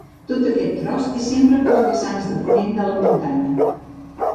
Tot aquest tros és sempre pels vessants de ponent de la muntanya.